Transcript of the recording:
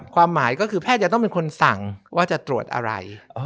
ความหมายก็คือแพทย์จะต้องเป็นคนสั่งว่าจะตรวจอะไร